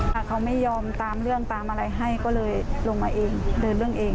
ถ้าเขาไม่ยอมตามเรื่องตามอะไรให้ก็เลยลงมาเองเดินเรื่องเอง